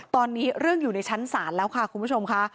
ตอนนี้เรื่องอยู่ในชั้นศาลแล้วค่ะคุณผู้ชมค่ะ